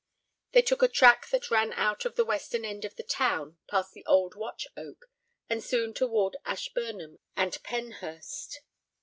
They took a track that ran out of the western end of the town past the old Watch Oak, and soon toward Ashburnham and Penhurst.